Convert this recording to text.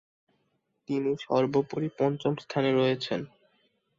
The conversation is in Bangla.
তিনি সর্বোপরি পঞ্চম স্থানে রয়েছেন।